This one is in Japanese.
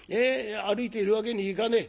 歩いているわけにいかねえ。